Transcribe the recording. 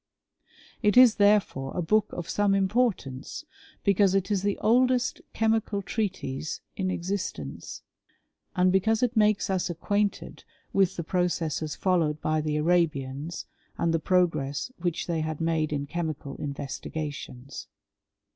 It is, therefore, a book of some importance, because it is the oldest chemical treatise in existence,* and because it makes us acquainted with the processes followed by the Arabians, and the progress which they had made in chemical investiga tions.